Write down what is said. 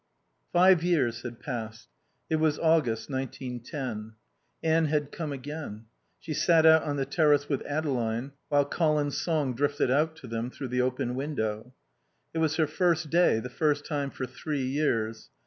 '" Five years had passed. It was August, nineteen ten. Anne had come again. She sat out on the terrace with Adeline, while Colin's song drifted out to them through the open window. It was her first day, the first time for three years.